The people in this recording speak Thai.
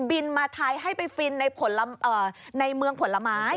บินมาไทยให้ไปฟินในเมืองผลไม้